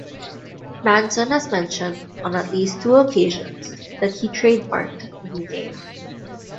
Manson has mentioned on at least two occasions that he trademarked the name.